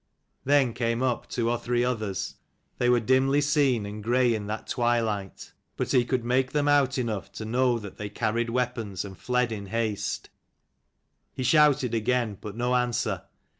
Then came up two or three others : they were dimly seen and grey in that twilight : 288 but he could make them out enough to know that they carried weapons, and fled in haste. He shouted again; but no answer.